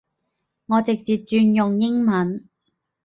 我直接轉用英文